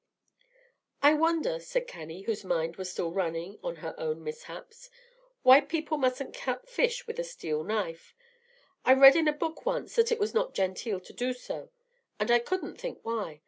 "I wonder," said Cannie, whose mind was still running on her own mishaps, "why people mustn't cut fish with a steel knife. I read in a book once that it was not genteel to do so, and I couldn't think why.